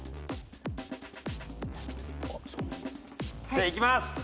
じゃあいきます。